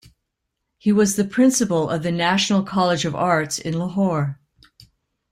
He was the principal of the National College of Arts in Lahore.